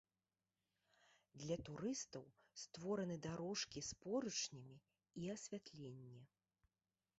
Для турыстаў створаны дарожкі з поручнямі і асвятленне.